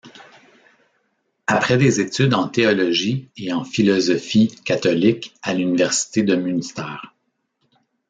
Après des études en théologie et en philosophie catholique à l'université de Münster.